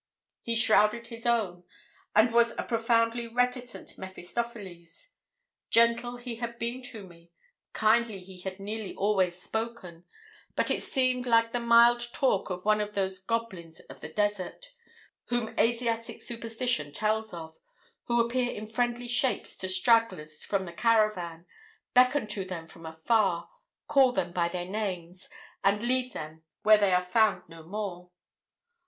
He shrouded his own, and was a profoundly reticent Mephistopheles. Gentle he had been to me kindly he had nearly always spoken; but it seemed like the mild talk of one of those goblins of the desert, whom Asiatic superstition tells of, who appear in friendly shapes to stragglers from the caravan, beckon to them from afar, call them by their names, and lead them where they are found no more.